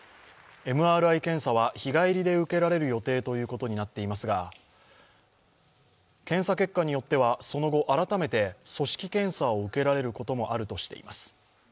ＭＲＩ検査は日帰りで受けられる予定ということですが検査結果によってはその後、改めて組織検査を受けられることもあるとしています。